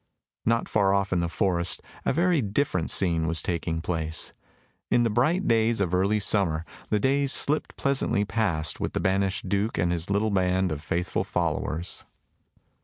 Not far off in the forest a very different scene was taking place. In the bright days of early summer the days slipped pleasantly past with the banished Duke and his little band of faithful followers.